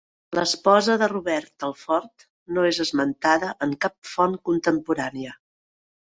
L'esposa de Robert el Fort no és esmentada en cap font contemporània.